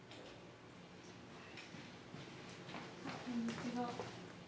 こんにちは。